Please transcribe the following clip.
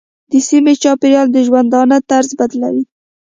د سیمې چاپېریال د ژوندانه طرز بدلوي.